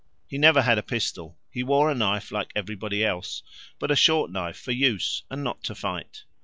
He never had a pistol, he wore a knife like everybody else, but a short knife for use and not to fight.